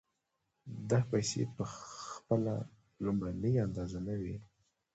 دا پیسې په خپله لومړنۍ اندازه نه وي